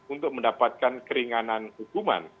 untuk mendapatkan keringanan hukuman